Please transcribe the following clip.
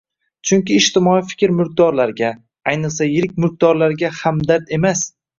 Chunki ijtimoiy fikr mulkdorlarga, ayniqsa yirik mulkdorlarga hamdard emas